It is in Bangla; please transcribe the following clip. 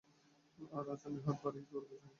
আর আজ আমি হাত বাড়িয়ে বলতে চাই।